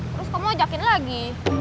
terus kamu ojakin lagi